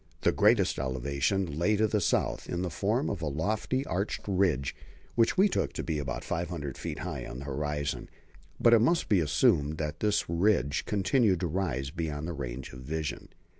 The greatest elevation lay to the south in the form of a lofty, arched ridge, which we took to be about 500 feet high on the horizon. But it might be assumed that this ridge continued to rise beyond the range of vision.